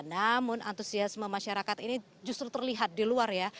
namun antusiasme masyarakat ini justru terlihat di luar ya